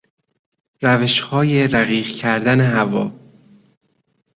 روشهای رقیق کردن هوا